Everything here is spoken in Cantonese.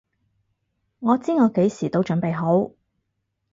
我知我幾時都準備好！